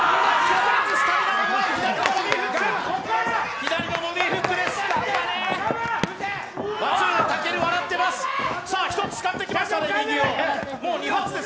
左のボディーフックです。